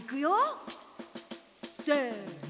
せの！